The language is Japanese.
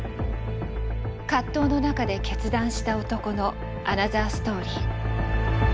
葛藤の中で決断した男のアナザーストーリー。